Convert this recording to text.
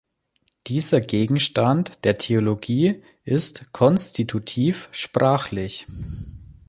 Dieser Gegenstand der Theologie ist konstitutiv sprachlich.